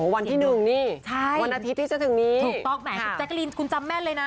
วันที่๑นี่วันอาทิตย์ที่จะถึงนี้ถูกต้องแหมคุณแจ๊กรีนคุณจำแม่นเลยนะ